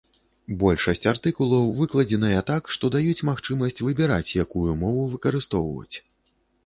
Большасць артыкулаў выкладзеныя так, што даюць магчымасць выбіраць, якую мову выкарыстоўваць.